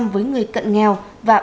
bảy mươi với người cận nghèo